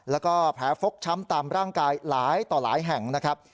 แล้วก็แผลฟกช้ำตามร่างกายหลายต่อหลายแห่งนะครับ